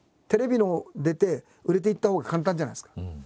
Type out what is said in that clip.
テレビの出て売れていったほうが簡単じゃないですか。